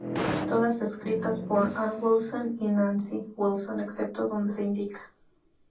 Todas escritas por Ann Wilson y Nancy Wilson, excepto donde se indica.